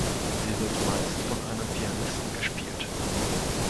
Sie wird meist von einem Pianisten gespielt.